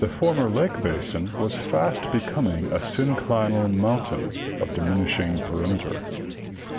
former lake basin was fast becoming a synclinal mountain of diminishing perimeter.